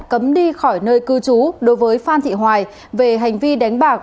cấm đi khỏi nơi cư trú đối với phan thị hoài về hành vi đánh bạc